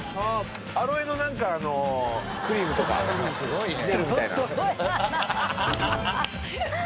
アロエの何かクリームとかジェルみたいな。